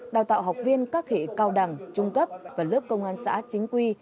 đào tạo học viên các hệ cao đẳng trung cấp và lớp công an xã chính quy